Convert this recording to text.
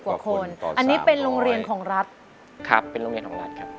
กว่าคนอันนี้เป็นโรงเรียนของรัฐครับเป็นโรงเรียนของรัฐครับ